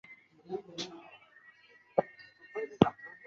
华斑盖蛛为皿蛛科盖蛛属的动物。